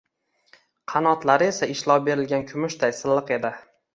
qanotlari esa ishlov berilgan kumushday silliq edi.